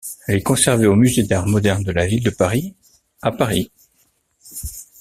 Elle est conservée au musée d'Art moderne de la ville de Paris, à Paris.